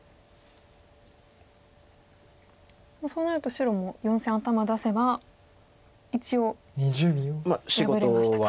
もうそうなると白も４線頭出せば一応破れましたか。